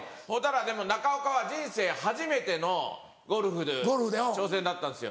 でも中岡は人生初めてのゴルフ挑戦だったんですよ。